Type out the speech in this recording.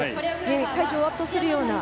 会場を圧倒するような。